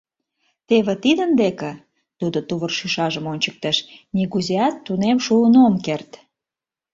— Теве тидын деке, — тудо тувыр шӱшажым ончыктыш, — нигузеат тунем шуын ом керт.